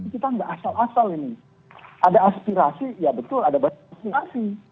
kita nggak asal asal ini ada aspirasi ya betul ada banyak aspirasi